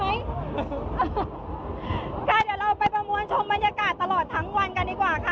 เดี๋ยวเราไปประมวลชมบรรยากาศตลอดทั้งวันกันดีกว่าค่ะ